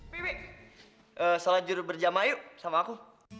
bebek salah jurut berjamaah yuk sama aku